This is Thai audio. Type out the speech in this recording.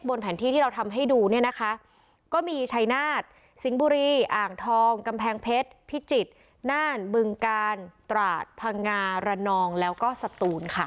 แผนที่ที่เราทำให้ดูเนี่ยนะคะก็มีชัยนาฏสิงห์บุรีอ่างทองกำแพงเพชรพิจิตรน่านบึงกาลตราดพังงาระนองแล้วก็สตูนค่ะ